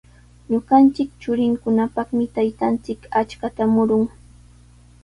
Ñuqanchik churinkunapaqmi taytanchik achkata murun.